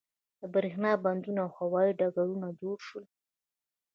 د بریښنا بندونه او هوایی ډګرونه جوړ شول.